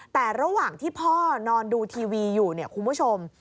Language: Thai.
แต่ระหว่างที่พ่อนอนดูทีวีอยู่เนี่ยคุณผู้ชม